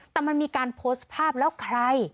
แต่มันมีการโพสต์ภาพแล้วใคร